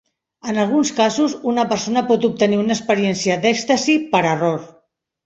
En alguns casos, una persona pot obtenir una experiència d'èxtasi "per error".